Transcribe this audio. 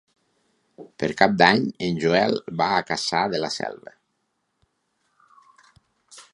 Per Cap d'Any en Joel va a Cassà de la Selva.